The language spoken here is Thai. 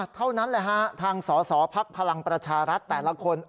เท่านั้นแหละฮะทางสอสอภักดิ์พลังประชารัฐแต่ละคน